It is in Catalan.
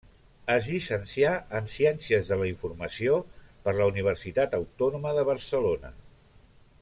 Es llicencià en Ciències de la Informació per la Universitat Autònoma de Barcelona.